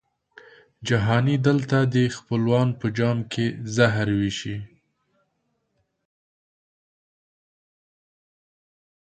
جهاني دلته دي خپلوان په جام کي زهر وېشي